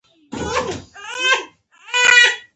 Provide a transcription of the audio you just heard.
د غرنیو ځمکو لپاره کومې ونې ښې دي؟